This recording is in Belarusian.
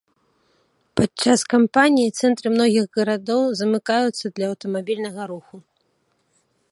Падчас кампаніі цэнтры многіх гарадоў замыкаюцца для аўтамабільнага руху.